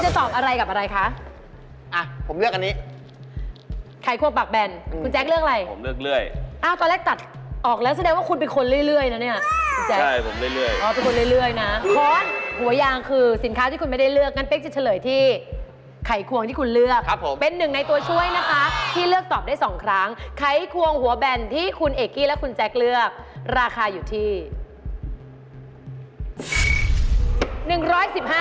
สวัสดีค่ะสวัสดีค่ะสวัสดีค่ะสวัสดีค่ะสวัสดีค่ะสวัสดีค่ะสวัสดีค่ะสวัสดีค่ะสวัสดีค่ะสวัสดีค่ะสวัสดีค่ะสวัสดีค่ะสวัสดีค่ะสวัสดีค่ะสวัสดีค่ะสวัสดีค่ะสวัสดีค่ะสวัสดีค่ะสวัสดีค่ะสวัสดีค่ะสวัสดีค่ะสวัสดีค่ะ